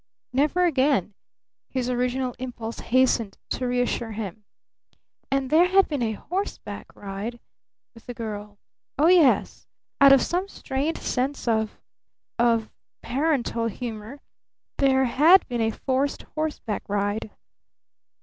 "Never again!" his original impulse hastened to reassure him. And there had been a horseback ride with the girl. Oh, yes out of some strained sense of of parental humor there had been a forced horseback ride.